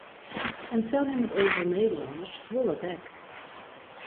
In tanimmend oantal Nederlânners wol dat ek.